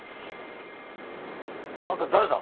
あんた誰だ？